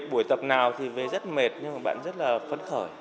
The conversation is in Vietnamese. buổi tập nào thì về rất mệt nhưng mà bạn rất là phấn khởi